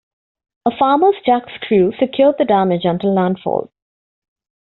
A farmer's jackscrew secured the damage until landfall.